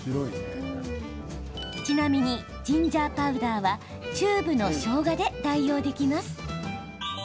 ちなみに、ジンジャーパウダーはチューブのしょうがで代用できます。